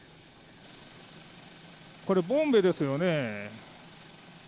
これ、ボンベですよね。